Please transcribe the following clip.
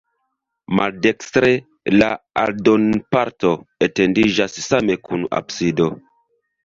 Maldekstre la aldonparto etendiĝas same kun absido.